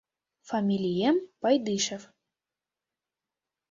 Фамилием Пайдышев.